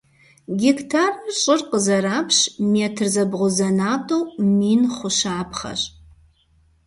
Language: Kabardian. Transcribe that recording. Гектарыр щӏыр къызэрапщ, метр зэбгъузэнатӏэу мин хъу щапхъэщ.